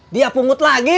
dia pungut lagi